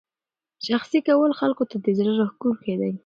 شخصي کول خلکو ته زړه راښکونکی دی.